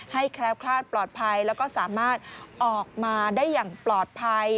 แคล้วคลาดปลอดภัยแล้วก็สามารถออกมาได้อย่างปลอดภัย